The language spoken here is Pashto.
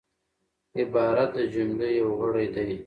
عبارت د جملې یو غړی دئ.